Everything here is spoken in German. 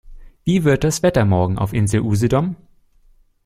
Wie wird das Wetter morgen auf Insel Usedom?